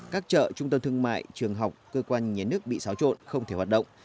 các chợ trung tâm thương mại trường học cơ quan nhà nước bị xáo trộn không thể hoạt động